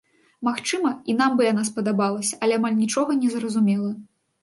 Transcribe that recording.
Магчыма, і нам бы яна спадабалася, але амаль нічога не зразумела.